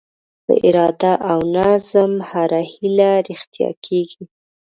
په اراده او نظم هره هیله رښتیا کېږي.